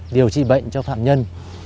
điều trị bệnh cho phạm nhân